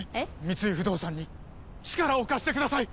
三井不動産に力を貸してください！